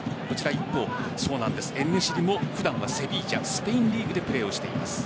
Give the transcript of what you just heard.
一方、エンネシリも普段はセヴィージャスペインリーグでプレーをしています。